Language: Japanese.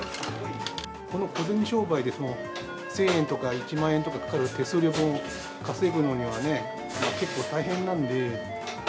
この小銭商売で、１０００円とか１万円とかかかる手数料分稼ぐのにはね、結構大変なんで。